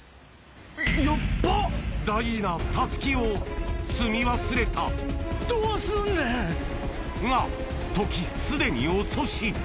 大事な襷を積み忘れたどうすんねん！が時すでに遅し！